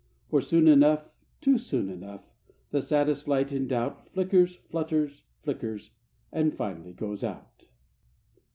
For soon enough, Too soon enough, The saddest light in doubt, Flickers, flutters, flickers, And finally goes out.